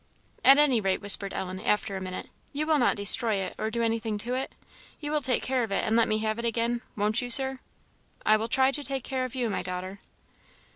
"At any rate," whispered Ellen, after a minute, "you will not destroy it, or do anything to it? you will take care of it, and let me have it again, won't you, Sir?" "I will try to take care of you, my daughter."